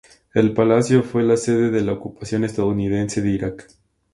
El palacio fue la sede de la ocupación estadounidense de Irak.